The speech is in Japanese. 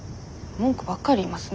文句ばっかり言いますね。